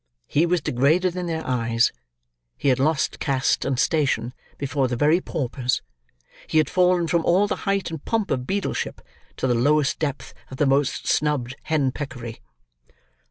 He was degraded in their eyes; he had lost caste and station before the very paupers; he had fallen from all the height and pomp of beadleship, to the lowest depth of the most snubbed hen peckery.